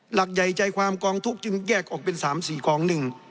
หลักใหญ่ใจความกองทุกข์จึงแยกออกเป็น๓๔กองหนึ่ง